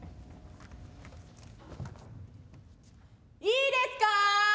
・いいですか？